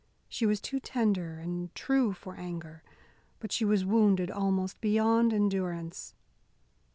She was too tender and true for anger, but she was wounded almost beyond endurance.